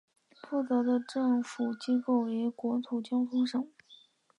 负责的政府机构为国土交通省。